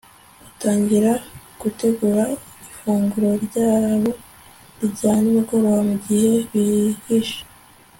atangira gutegura ifunguro ryabo rya nimugoroba, mugihe bihishe